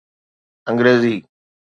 انگريزي